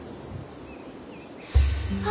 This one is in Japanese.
あ！